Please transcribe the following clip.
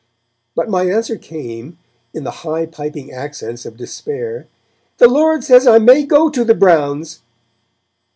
But my answer came, in the high piping accents of despair: 'The Lord says I may go to the Browns.'